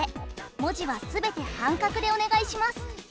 文字は全て半角でお願いします。